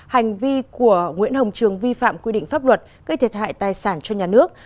hành vi của nguyễn hồng trường vi phạm quy định pháp luật gây thiệt hại tài sản cho nhà nước